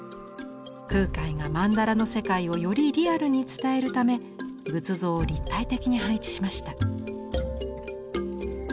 空海が曼荼羅の世界をよりリアルに伝えるため仏像を立体的に配置しました。